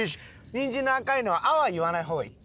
にんじんの赤いのは「あ」は言わない方がいい。